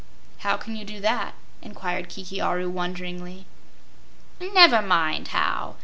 "How can you do that?" inquired Kiki Aru, wonderingly. "Never mind how.